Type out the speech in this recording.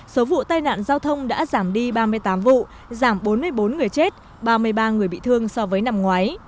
số vụ tai nạn giao thông đã giảm đi ba mươi tám vụ giảm bốn mươi bốn người chết ba mươi ba người bị thương so với năm ngoái